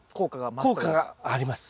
効果があります。